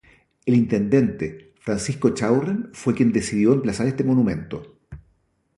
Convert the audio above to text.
El intendente Francisco Echaurren fue quien decidió emplazar este monumento.